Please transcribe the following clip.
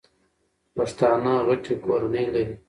پښتانه غټي کورنۍ لري.